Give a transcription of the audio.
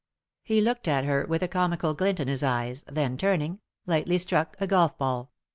" He looked at her with a comical glint in his eyes, then turning, lightly struck a golf ball.